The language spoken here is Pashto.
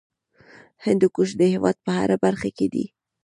هندوکش د هېواد په هره برخه کې دی.